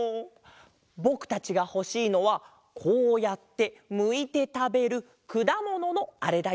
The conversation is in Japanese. ぼくたちがほしいのはこうやってむいてたべるくだもののあれだよ。